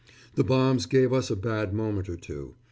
The bombs gave us a bad moment or two.